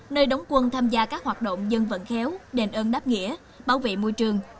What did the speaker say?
nơi đóng quân tham gia các hoạt động dân vận khéo đền ơn đáp nghĩa bảo vệ môi trường